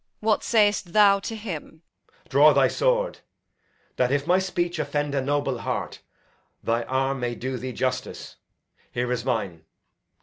What say'st thou to him? Edg. Draw thy sword, That, if my speech offend a noble heart, Thy arm may do thee justice. Here is mine.